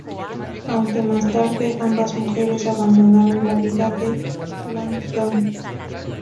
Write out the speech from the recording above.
Aunque más tarde, ambas mujeres abandonaron la vida de Langdon.